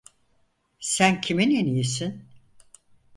Sen kimin eniğisin?